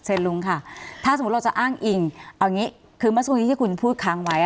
เอาล่ะค่ะ